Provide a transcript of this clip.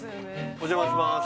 お邪魔します